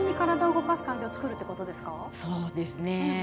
そうですね。